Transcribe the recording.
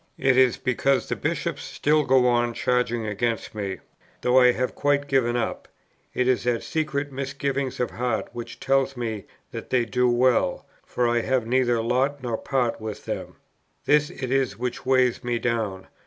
It is because the Bishops still go on charging against me, though I have quite given up: it is that secret misgiving of heart which tells me that they do well, for I have neither lot nor part with them: this it is which weighs me down.